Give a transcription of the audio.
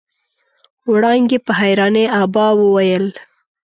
وړانګې په حيرانۍ ابا وويل.